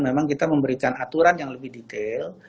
memang kita memberikan aturan yang lebih detail